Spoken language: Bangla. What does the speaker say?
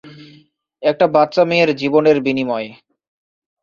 একটা বাচ্চা মেয়ের জীবনের বিনিময়ে!